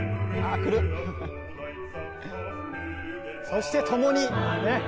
そして共にねっ。